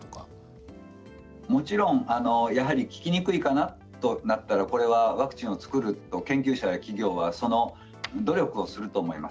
もちろん効きにくいとなったらワクチンを作ると研究者や企業は努力をすると思います。